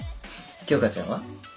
京花ちゃんは？